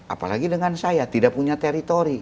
apalagi dengan saya tidak punya teritori